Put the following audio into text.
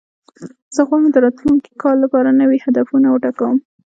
زه غواړم د راتلونکي کال لپاره نوي هدفونه وټاکم.